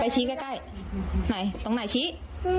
ไปชี้ใกล้ไหนตรงไหนชี้นี่